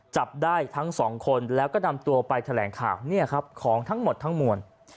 จับได้ทั้งสองคนแล้วก็นำตัวไปแถลงข่าวเนี่ยครับของทั้งหมดทั้งมวล